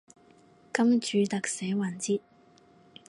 金主特寫環節